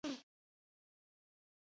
هوا د افغانستان د ځایي اقتصادونو بنسټ دی.